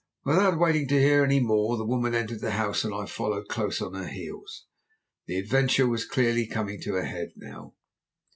"Without waiting to hear any more the woman entered the house and I followed close on her heels. The adventure was clearly coming to a head now.